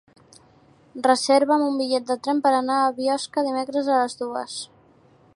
Reserva'm un bitllet de tren per anar a Biosca dimecres a les dues.